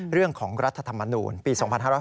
เรื่องของรัฐธรรมนุนปี๒๕๖๐